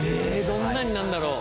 どんなになるんだろう？